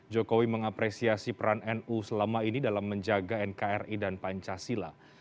jokowi mengapresiasi peran nu selama ini dalam menjaga nkri dan pancasila